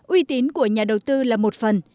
uy tín của nhà đầu tư là một phần